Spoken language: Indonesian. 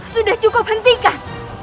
sudah cukup hentikan